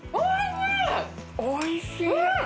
おいしい！